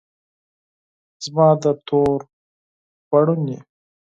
زما د تور پوړنې